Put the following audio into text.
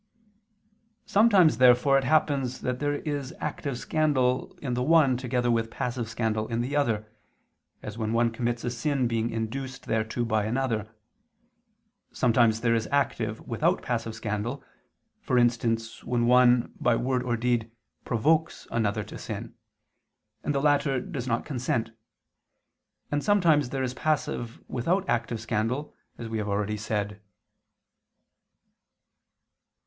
Sometimes therefore it happens that there is active scandal in the one together with passive scandal in the other, as when one commits a sin being induced thereto by another; sometimes there is active without passive scandal, for instance when one, by word or deed, provokes another to sin, and the latter does not consent; and sometimes there is passive without active scandal, as we have already said.